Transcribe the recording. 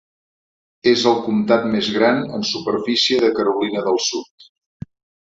És el comtat més gran en superfície de Carolina del Sud.